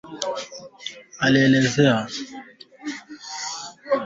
Ugonjwa wa majomoyo hutokea maeneo mengi ya Tanzania